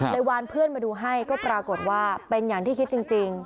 วานเพื่อนมาดูให้ก็ปรากฏว่าเป็นอย่างที่คิดจริง